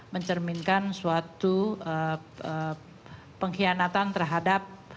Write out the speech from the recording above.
mencerminkan suatu pengkhianatan terhadap wajib pajak